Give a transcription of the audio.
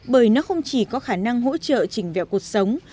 bởi nó không chỉ có khả năng hỗ trợ chỉnh vẹo cuộc sống